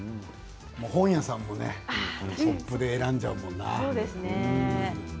本屋さんもねＰＯＰで選んじゃうもんな。